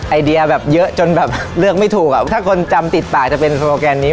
ไอเดียแบบเยอะจนแบบเลือกไม่ถูกอ่ะถ้าคนจำติดปากจะเป็นโซโลแกนนี้